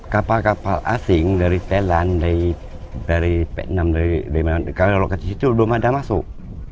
kapal kapal asing dari telan dari p enam dari mana kalau lokasi situ belum ada masuk